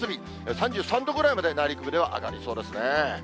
３３度ぐらいまで内陸部では上がりそうですね。